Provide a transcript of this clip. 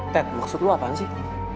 ted maksud lo apaan sih